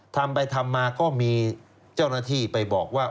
ทำไปทำมาก็มีเจ้าหน้าที่ไปบอกว่า